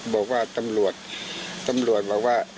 บอกว่าตำรวจตำรวจบอกว่า